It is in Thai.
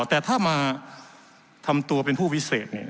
แต่ถ้ามาทำตัวเป็นผู้วิเศษ